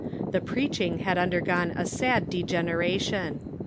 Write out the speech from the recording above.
The preaching had undergone a Wrought by sad degeneration.